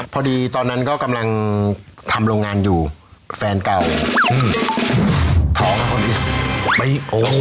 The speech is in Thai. พอดีตอนนั้นก็กำลังทำโรงงานอยู่แฟนเก่าท้องกับคนอื่น